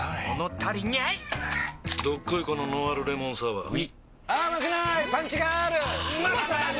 どっこいこのノンアルレモンサワーうぃまさに！